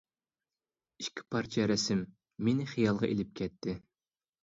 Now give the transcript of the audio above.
ئىككى پارچە رەسىم مېنى خىيالغا ئېلىپ كەتتى.